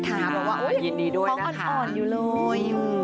เพราะว่าห้องอ่อนอยู่เลย